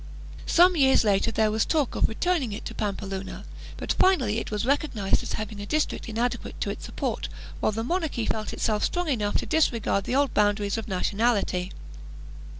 Some years later there was talk of returning it to Pampeluna, but finally it was recognized as having a district inadequate to its support, while the monarchy felt itself strong enough to disregard the old boundaries of nationality.